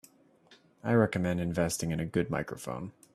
I recommend investing in a good microphone.